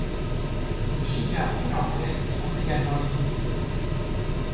Le chiga et l'anglais sont également utilisés.